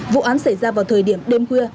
vụ án xảy ra vào thời điểm đêm khuya